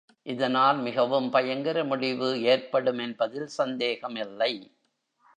இதனால் மிகவும் பயங்கர முடிவு ஏற்படும் என்பதில் சந்தேகமில்லை.